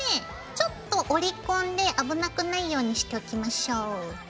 ちょっと折り込んで危なくないようにしておきましょう。